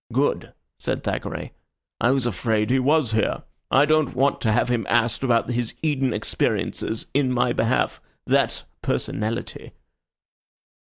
"Good," said Thackeray. "I was afraid he was here. I don't want to have him asked about his Eden experiences in my behalf. That's personality."